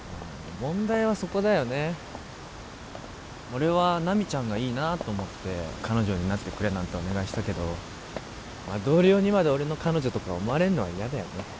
問題はそこだよね俺は奈未ちゃんがいいなと思って彼女になってくれなんてお願いしたけど同僚にまで俺の彼女とか思われんのは嫌だよね